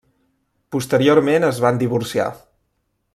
Posteriorment es van divorciar.